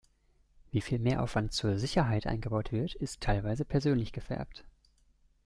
Wie viel Mehraufwand „zur Sicherheit“ eingebaut wird, ist teilweise persönlich gefärbt.